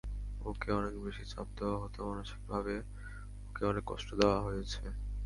ওকে অনেক বেশি চাপ দেওয়া হতো, মানসিকভাবে ওকে অনেক কষ্ট দেওয়া হয়েছে।